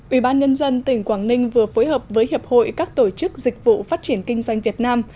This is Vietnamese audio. ủy ban nhân dân tỉnh quảng ninh vừa phối hợp với hiệp hội các tổ chức dịch vụ phát triển kinh doanh việt nam